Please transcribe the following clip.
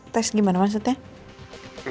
tes gimana maksudnya